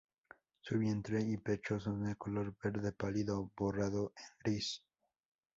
Su vientre y pecho son de color verde pálido barrado en gris.